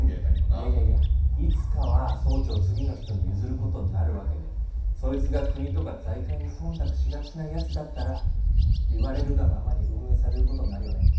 いやいやいやいつかは総長を次の人に譲ることになるわけでそいつが国とか財界に忖度しがちなやつだったら言われるがままに運営されることになるよね。